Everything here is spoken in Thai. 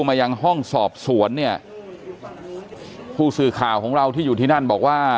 มายังห้องสอบสวนเนี่ยผู้สื่อข่าวของเราที่อยู่ที่นั่นบอกว่า